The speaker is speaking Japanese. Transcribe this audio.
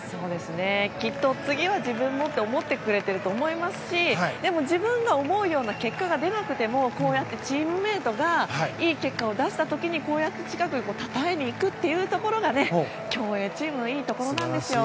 きっと次は自分もと思ってくれていると思いますしでも自分が思うような結果が出なくてもこうやってチームメートがいい結果を出した時にこうやって近くにたたえに行くというところが競泳チームのいいところなんですよ。